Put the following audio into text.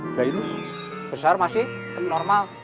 udah ini besar masih normal